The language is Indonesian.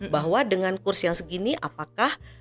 bahwa dengan kursi yang segini apakah